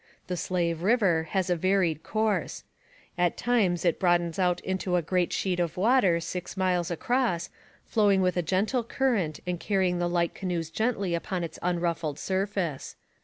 The Slave river has a varied course: at times it broadens out into a great sheet of water six miles across, flowing with a gentle current and carrying the light canoes gently upon its unruffled surface.